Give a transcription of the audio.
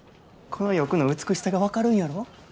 この翼の美しさが分かるんやろ。